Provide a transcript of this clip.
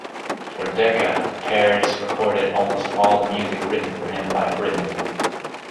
For Decca, Pears recorded almost all the music written for him by Britten.